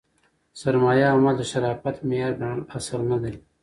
سرمایه او مال د شرافت معیار ګڼل اصل نه دئ.